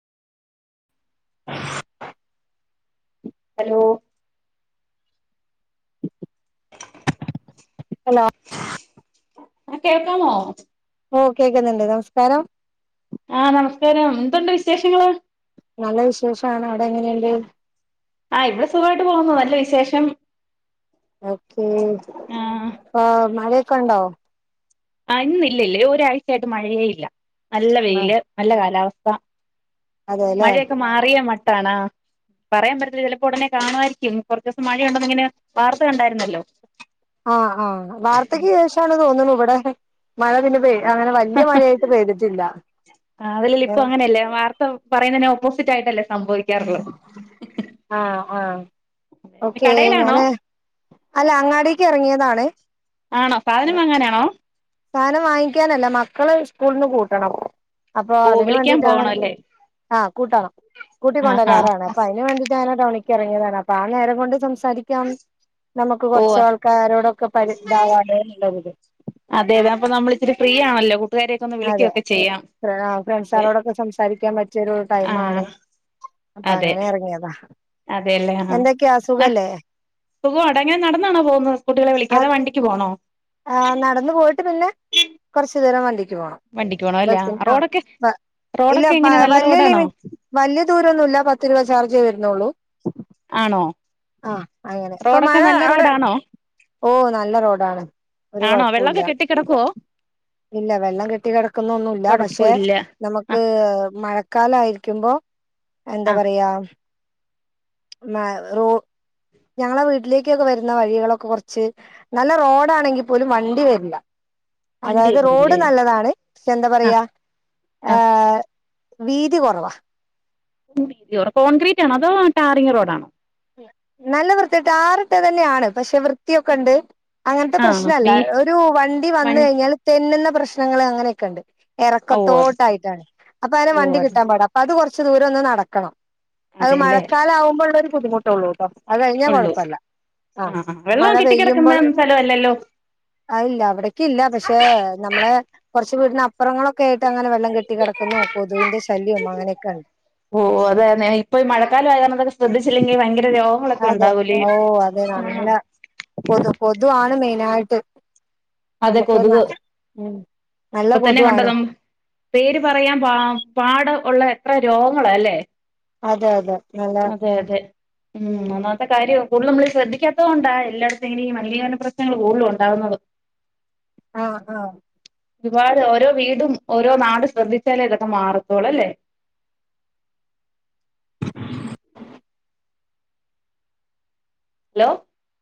Hello hello ആഹ് കേൾക്കാമോ ഓ കേക്കുന്ന്ണ്ട് നമസ്കാരം ആഹ് നമസ്കാരം എന്തുണ്ട് വിശേഷങ്ങള് നല്ല വിശേഷാണ് അവിടെ എങ്ങനെണ്ട് ആ ഇവിടെ സുഖായിട്ട് പോകുന്നു നല്ല വിശേഷം ഓക്കെ ആ പ്പ മ ക്കെണ്ടോ ആ ഇന്ന് ഇല്ലല്ല ഒരാഴ്ചയായിട്ട് മഴയേ ഇല്ല നല്ല മ- വെയില് നല്ല കാലാവസ് സ്ഥ അതെല്ലേ മഴയൊക്കെ മാറിയാ മ കാണാം പറയാൻ പറ്റത്തില്ല ചെലപ്പോ ഉടനെ കാണുമായിരിക്കും കാെറച്ചൂസം മഴയുണ്ടെന്ന്ങ്ങനെ വാർത്ത കണ്ടായിരുന്നല്ലോ ആ ആ വാർത്തയ്ക്ക് ശേഷാണ് തോന്ന്ണു ബടെ പെയ്തിട്ടില്ല അതെലെലെ പ്പ ആഹ് അങ്ങനെയല്ലേ വാർത്ത പറയുന്നേനെ ഓപ്പോസിറ്റായിട്ടല്ലേ ആ ആ ഓക്കെ കടയിലാണോ ഞാന് അല്ല അങ്ങാടീക്ക് എറങ്ങിയ താണ് ആണോ സാധനം വാങ്ങാനാണോ സാധനം വാങ്ങിക്കാനല്ല മക്കള് സ്കൂൾന്ന് കൂട്ടണം അപ്പൊ ഓ അതിന് വിളിക്കാൻ വേണ്ടിട്ടാണ് പോകണല്ലേ ആ കൂട്ടണം ആഹാ കൂട്ടിക്കാെണ്ടരാറാണ് അപ്പൊ അയ്ന് വേണ്ടീട്ടങ്ങനെ ഒറി ക്കെറങ്ങിയതാണ് അപ്പ ആ നേരം കൊണ്ട് സംസ് സാരിക്കാം നമുക്ക് ഓ കൊറച്ച് ആൾക്കാരോടൊക്കെ പരി ഇതവാന എന്നുള്ളത് അതെ അതെ അപ്പ നമ്മളിത്തിരി ഫ്രീയാണല്ലോ കു അതെ എ അതെ ഫ്രണ്ട്സാളോടൊക്കെ സംസാരിക്കാൻ പറ്റിയാെരു ടൈമാണ് ആഹ് അപ്പൊ അങ്ങനെ എറങ്ങിയതാ അതെയല്ലേ ആ ഹാ ന സുഖവാടാ ഇങ്ങനെ നടന്നാണോ പോകുന്നത് കുട്ടികളെ ആ വിളിക്കാൻ അതോ വണ്ടിക്ക് പോണോ ച്തര മതി വണ്ടിക്ക് പോണം അല്ലേ ആ റോഡൊക്കെ റോഡൊക്കെ എങ്ങനെ നല്ല ഇല്ലവല്യ റോഡാണോ ലിമി വല്യ ദൂരൊന്നുല്ല പത്ത് രൂപ ചാർജേ വരുന്നുള്ളൂ ആണോ ആ അങ്ങനെ ഇപ്പൊ റോഡൊക്കെ മഴ നല്ല അവിടെ റോഡാണോ ഓ നല്ല റോഡാണ് ഒരു ആണോ കാെഴപ്പുല്ല വെള്ളമൊക്കെ കെട്ടിക്കിടക്കുവോ ഇല്ല വെള്ളം കെട്ടി കെട്ടിക്കെടക്കുന്നൊന്നുല്ല പക്ഷെ കുഴപ്പമില്ല നമുക്ക് ആഹ് മഴക്കാലയി ക്കുമ്പോ എന്താ ആഹ് പറയാ മ റോ ഞങ്ങളെ വീട്ടിലേക്കൊക്കെ വരുന്ന വഴികളൊക്കെ കൊർച്ച് നല്ല റോഡാണെങ്കിൽ പോലും വണ്ടി വര്ല്ല വണ്ടി അതായത് റോ വരില്ലേ ഡ് നല്ലതാണ് പക്ഷെ ന്താ ആഹ് പറയാ ഏ വീതി കൊറവാ വീതി കൊറ കോൺക്രീറ്റ് ആണോ അതോ ടാറിംഗ് റോഡാണോ നല്ല വൃത്തിയിട്ട് ടാറിട്ടതന്നെയാണ് പക്ഷെ വൃത്തിയൊക്കെണ്ട് അങ്ങനത്തെ ആഹ് പ്രശ്നല്ല. ബി ഒരു വണ്ടി വൺ വന്ന് കഴിഞ്ഞാൽ തെന്നുന്ന പ്രശ്നങ്ങള് അങ്ങനെയൊക്കെ ഇണ്ട്. ഓ അത് ശരി എറക്കത്തോട്ടായിട്ടാണ്. അപ്പൊ അങ്ങനെ ഓ വണ്ടി അത് കിട്ടാൻ പാടാ. അപ്പൊ അത് കൊറച്ച് ച്ച് ദൂരം ഒന്ന് നടക്കണം. അത് അതെല്ലേ മഴക്കാലാവുമ്പോള്ളൊരു ബുദ്ധിമുട് ട്ടുള്ളൂട്ടൊ അത് കഴിഞ്ഞാ ഉള്ളൂ കൊഴപ്പല്ല. ആഹ് മഴ വെള്ളം കെട്ടിക്കിടക്കുന്ന പെയ്യുമ്പോൾ, സ്ഥലമല്ലല്ലോ അത് ഇല്ല അവിടെക്കില്ല. പക്ഷെ നമ്മളെ കൊറച്ച് വീടിനപ്പുറങ്ങളൊക്കെയായി ശല്യവും അങ്ങനെയൊക്കെ ഉണ്ട് ഓ ഓ അത് തന്നെ. ഇപ്പൊ ഈ മഴക്കാലവായ കാരണം തന്നെ ശ്രദ്ധിച്ചില്ലെങ്കിൽ ഭയങ്കര രോ അതെ ഓ അതെ നല്ല. കൊ കൊതുവാണ് മെയിനായിട്ട് അതെ നമുക്ക് ന കൊതുക്. ഉം നല്ല ഇപ്പൊത്തന്നെ കണ്ടോ കൊതുവാണ് നം, പേര് പറയാൻ പാ പാട ഉള്ള എത്ര രോഗങ്ങള അല്ലേ? അതെ അതെ നല്ല അതെ അതെ ഉം. ഒന്നാത്തെ കാര്യോ കൂടുതലും മ്മളീ ശ്രദ്ധിക്കാത്ത കൊണ്ടാ എല്ലായിടത്തും ഇങ്ങനെ ഈ മലിനീകരണ പ്രശ്നങ്ങള് കൂടുതലു ഉണ്ടാവുന്നത്. ആഹ് ആഹ് ഒരുപാട് ഓരോ വീടും ഓരോ നാട് ശ്രദ്ധിച്ചാലേ ഇതൊക്കെ മാറത്തോളല്ലേ ഹലോ